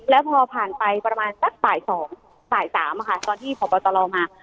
แล้วพอผ่านไปประมาณสักป่ายสองป่ายสามอะค่ะตอนที่ขอบประตาลอมค่ะ